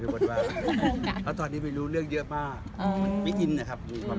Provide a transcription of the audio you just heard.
เพราะตอนนี้มีค่าที่เลือกเยอะมาก